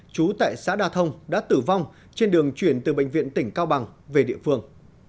chú tại xã đà thông đã tử vong trên đường chuyển từ bệnh viện tỉnh cao bằng về địa phương